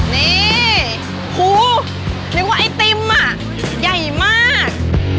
นี่หูนึกว่าไอติมอ่ะใหญ่มาก